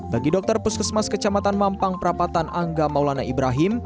bagi dokter puskesmas kecamatan mampang perapatan angga maulana ibrahim